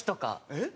えっ？